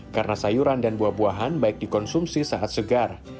karena sayuran dan buah buahan baik dikonsumsi saat segar